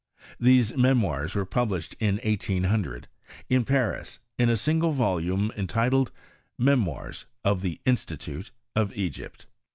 These memoirs were published in 1800, in Paris, in a single volume entitled, " Memoirs of the Institute of Egypt."